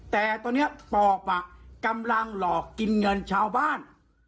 แต่ตอนนี้ปอบกำลังหลอกกินเงินชาวบ้าน